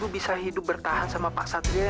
kok apa mama masih secara sempurna bekerja ya